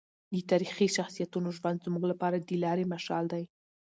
د تاریخي شخصیتونو ژوند زموږ لپاره د لارې مشال دی.